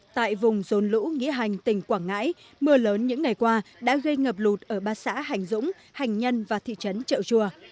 tại vùng rốn lũ nghĩa hành tỉnh quảng ngãi mưa lớn những ngày qua đã gây ngập lụt ở ba xã hành dũng hành nhân và thị trấn trợ chùa